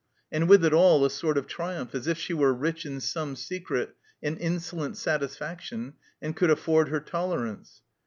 And with it all a sort of triumph, as if she were rich in some secret and insolent satisfaction and could afford her tolerance.